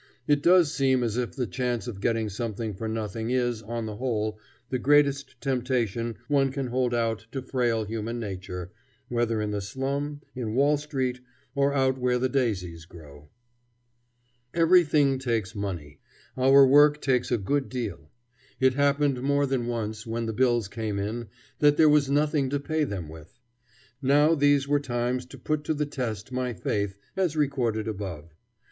It does seem as if the chance of getting something for nothing is, on the whole, the greatest temptation one can hold out to frail human nature, whether in the slum, in Wall Street, or out where the daisies grow. Everything takes money. Our work takes a good deal. It happened more than once, when the bills came in, that there was nothing to pay them with. Now these were times to put to the test my faith, as recorded above.